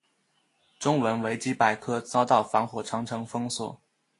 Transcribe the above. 中文维基百科遭到防火长城封锁。